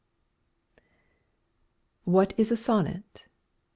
What is a sonnet